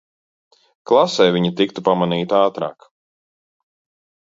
Klasē viņa tiktu pamanīta ātrāk...